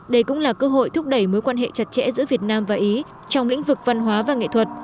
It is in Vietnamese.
đây cũng là cơ hội thúc đẩy mối quan hệ chặt chẽ giữa việt nam và ý trong lĩnh vực văn hóa và nghệ thuật